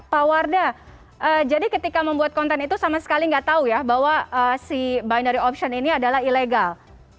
pak warda jadi ketika membuat konten itu sama sekali nggak tahu ya bahwa si binary option ini adalah ilegal